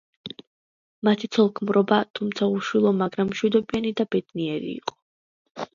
მათი ცოლ-ქმრობა, თუმცა უშვილო მაგრამ მშვიდობიანი და ბედნიერი იყო.